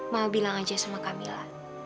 mau bilang aja sama kamila